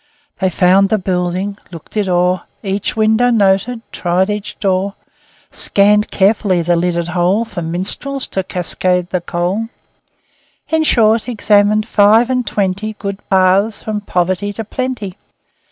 They found the building, looked it o'er, Each window noted, tried each door, Scanned carefully the lidded hole For minstrels to cascade the coal In short, examined five and twenty Good paths from poverty to plenty.